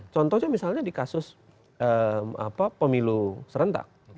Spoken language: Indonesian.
contohnya misalnya di kasus pemilu serentak